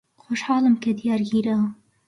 خۆشحاڵم کە دیار گیراوە.